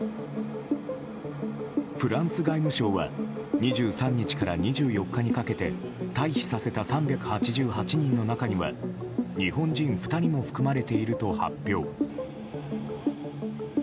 フランス外務省は２３日から２４日にかけて退避させた３８８人の中には日本人２人も含まれていると発表。